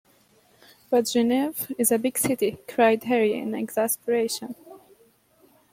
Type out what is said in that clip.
"But Geneva is a big city" cried Harry in exasperation.